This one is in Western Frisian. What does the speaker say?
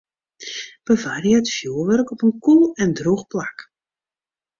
Bewarje it fjoerwurk op in koel en drûch plak.